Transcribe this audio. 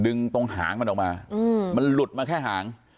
ดึงตรงหางมันออกมามันหลุดมาแค่หาง